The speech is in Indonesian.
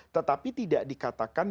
tetapi tidak dikatakan